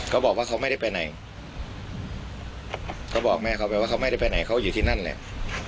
ก็บอกแม่เขาไม่ได้ไปไหนเขาอยู่ที่นั่นแหละ